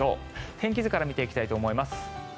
天気図から見ていきたいと思います。